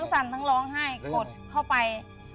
สั่นทั้งร้องไห้กดเข้าไป